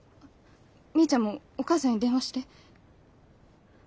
みーちゃんもお母さんに電話して。